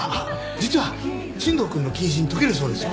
実は新藤くんの謹慎解けるそうですよ。